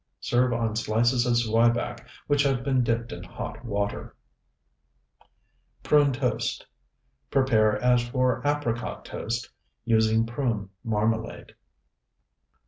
Serve on slices of zwieback which have been dipped in hot water. PRUNE TOAST Prepare as for apricot toast, using prune marmalade.